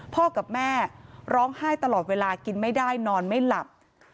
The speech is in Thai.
พ่อกับแม่ร้องไห้ตลอดเวลากินไม่ได้นอนไม่หลับ